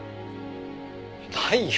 ないよ。